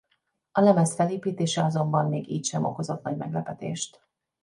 A lemez felépítése azonban még így sem okozott nagy meglepetést.